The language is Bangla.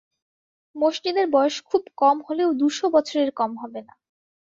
মসজিদের বয়স খুব কম হলেও দু, শ বছরের কম হবে না।